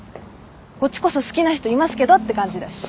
こっちこそ好きな人いますけどって感じだし。